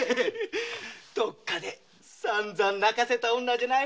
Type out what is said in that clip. どこかでさんざん泣かせた女じゃないんですか？